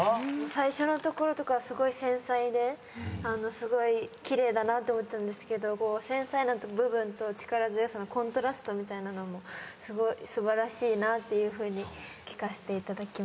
最初のところとかすごい繊細ですごい奇麗だなって思ったんですけど繊細な部分と力強さのコントラストみたいなのも素晴らしいなっていうふうに聴かせていただきました。